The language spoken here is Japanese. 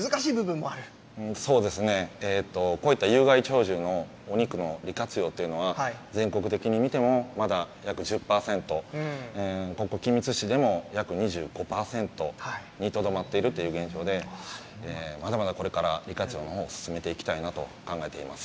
そうですね、こうやった有害鳥獣のお肉の利活用っていうのは、全国的に見ても、まだ約１０％、ここ、君津市でも約２５％にとどまっているという現状で、まだまだこれから利活用のほうを進めていきたいなと考えております。